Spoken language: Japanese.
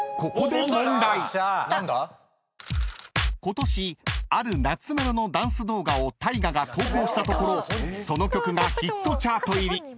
［ことしある懐メロのダンス動画をタイガが投稿したところその曲がヒットチャート入り］